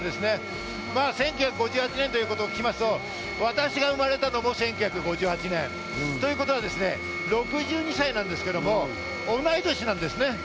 １９５８年と聞きますと私が生まれたのが１９５８年。ということは６２歳、同い年なんですね。